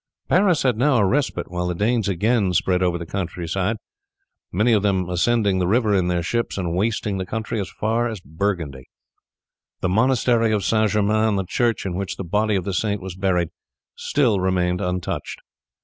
Paris had now a respite while the Danes again spread over the surrounding country, many of them ascending the river in their ships and wasting the country as far as Burgundy. The monastery of St. Germain and the church in which the body of the saint was buried still remained untouched.